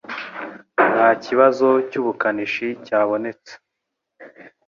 Nta kibazo cyubukanishi cyabonetse